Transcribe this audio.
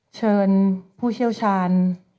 เชิญผู้เชี่ยวชาญ